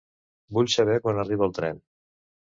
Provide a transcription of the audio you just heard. Vull saber quan arriba el tren.